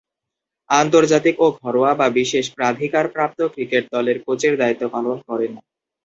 আন্তর্জাতিক ও ঘরোয়া বা বিশেষ প্রাধিকারপ্রাপ্ত ক্রিকেট দলের কোচের দায়িত্ব পালন করেন।